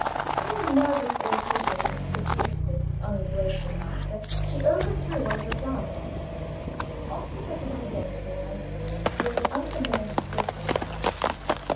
In the nervous irritation which produced this ungracious answer, she overthrew one of the flower pots. Oscar set it up again for her with undiminished good temper.